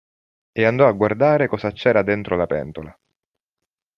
E andò a guardare cosa c'era dentro la pentola.